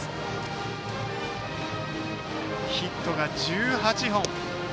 ヒットが１８本。